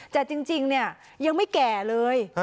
แต่จริงเนี่ยยังไม่แก่เลย